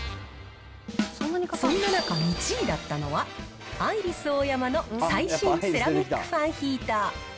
そんな中１位だったのは、アイリスオーヤマの最新セラミックファンヒーター。